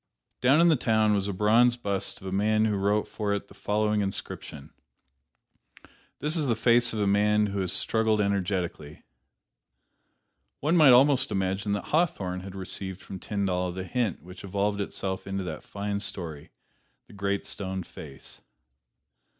Down in the town was a bronze bust of a man who wrote for it the following inscription: "This is the face of a man who has struggled energetically." One might almost imagine that Hawthorne had received from Tyndall the hint which evolved itself into that fine story, "The Great Stone Face."